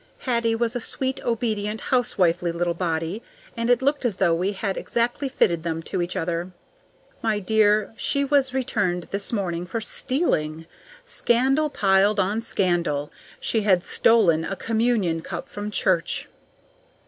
Hattie was a sweet, obedient, housewifely little body, and it looked as though we had exactly fitted them to each other. My dear, she was returned this morning for STEALING. Scandal piled on scandal: SHE HAD STOLEN A COMMUNION CUP FROM CHURCH!